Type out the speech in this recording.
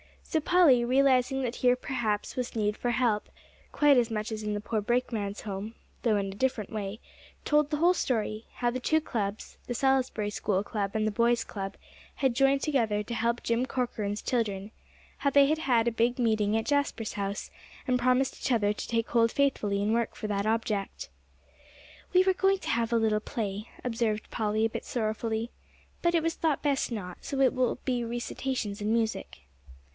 So Polly, realizing that here perhaps was need for help, quite as much as in the poor brakeman's home, though in a different way, told the whole story, how the two clubs, the Salisbury School Club and the boys' club, had joined together to help Jim Corcoran's children; how they had had a big meeting at Jasper's house, and promised each other to take hold faithfully and work for that object. "We were going to have a little play," observed Polly, a bit sorrowfully, "but it was thought best not, so it will be recitations and music."